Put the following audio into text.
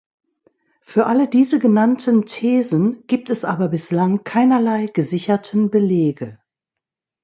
Für alle diese genannten Thesen gibt es aber bislang keinerlei gesicherten Belege.